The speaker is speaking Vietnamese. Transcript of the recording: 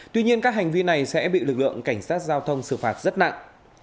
tuy nhiên các hành vi này sẽ bị lực lượng cảnh sát giao thông xử phạt rất nặng